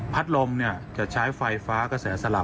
ลมจะใช้ไฟฟ้ากระแสสลับ